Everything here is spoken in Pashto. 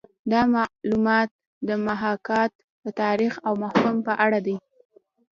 دا معلومات د محاکات د تاریخ او مفهوم په اړه دي